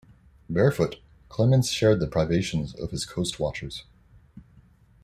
Barefoot, Clemens shared the privations of his coastwatchers.